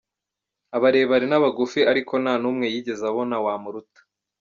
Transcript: abarebare n’abagufi ariko nta n’umwe yigeze abona wamuruta;